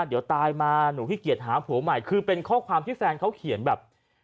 เดี๋ยวตายมาหนูขี้เกียจหาผัวใหม่คือเป็นข้อความที่แฟนเขาเขียนแบบ